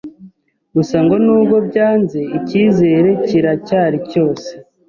Gusa ngo nubwo byanze ikizere kira cyari cyose